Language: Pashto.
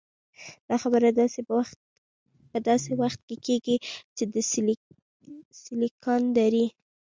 دا خبرې په داسې وخت کې کېږي چې د 'سیليکان درې'.